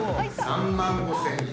３万５，０００円。